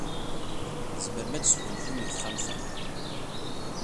Tzemrem ad tesgunfum deg texxamt-a.